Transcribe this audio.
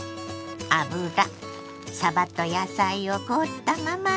油さばと野菜を凍ったまま入れ